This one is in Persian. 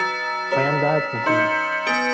پایم درد می کند.